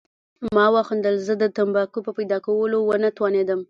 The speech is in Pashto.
ما وخندل، زه د تمباکو په پیدا کولو ونه توانېدم.